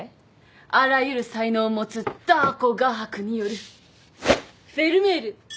あらゆる才能を持つダー子画伯によるフェルメール！